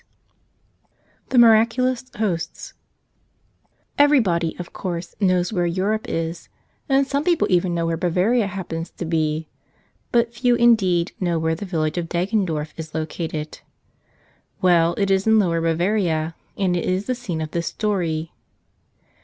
71 Cfie Miraculous ^)osts eVERYBODY, of course, knows where Europe is ; and some people even know where Bavaria happens to be; but few indeed know where the village of Deggendorf is located. Well, it is in Lower Bavaria; and it is the scene of this story.